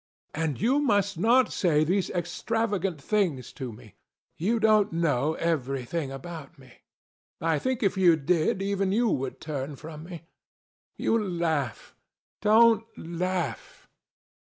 And you must not say these extravagant things to me. You don't know everything about me. I think that if you did, even you would turn from me. You laugh. Don't laugh."